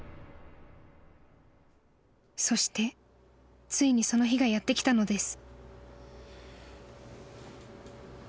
［そしてついにその日がやってきたのです］